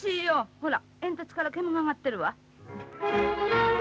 ほら、煙突から煙が上がってるわ。